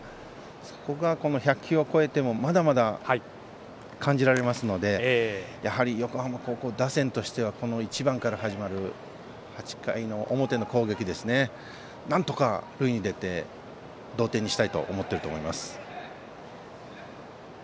そこがこの１００球を超えてもまだまだ感じられますのでやはり横浜高校打線としてはこの１番から始まる８回の表の攻撃なんとか塁に出て同点にしたいとは思っていると思います。